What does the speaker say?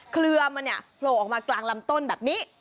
เคลือมันเนี่ยโผล่ออกมากลางลำต้นแบบนี้